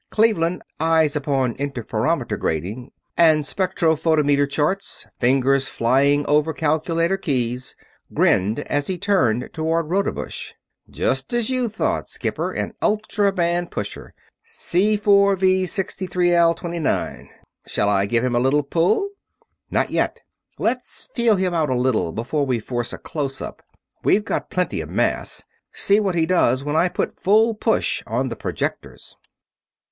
Cleveland, eyes upon interferometer grating and spectrophotometer charts, fingers flying over calculator keys, grinned as he turned toward Rodebush. "Just as you thought, Skipper; an ultra band pusher. C4V63L29. Shall I give him a little pull?" "Not yet; let's feel him out a little before we force a close up. We've got plenty of mass. See what he does when I put full push on the projectors."